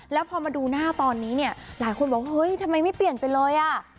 แล้วพอมาดูหน้าตอนนี้เนี่ยหลายคนบอกเฮ้ยทำไมไม่เปลี่ยนไปเลยอ่ะ